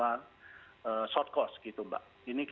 dan juga untuk kursus singkat di beberapa universitas di malaysia